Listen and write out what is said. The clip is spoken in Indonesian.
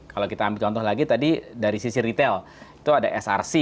kalau kita ambil contoh lagi tadi dari sisi retail itu ada src